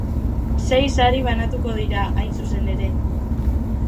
Sei sari banatuko dira, hain zuzen ere.